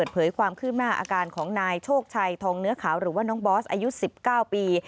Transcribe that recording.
เปิดเผยความคืบหน้าอาการของนายโชคชัยทองเนื้อขาวหรือว่าน้องบอสอายุ๑๙ปี